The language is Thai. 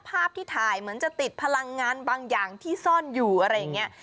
ภาพที่ถ่ายเหมือนจะติดพลังงานบางอย่างที่ซ่อนอยู่อะไรอย่างนี้